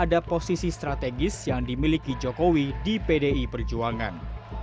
ada posisi strategis yang dimiliki jokowi di pdi perjuangan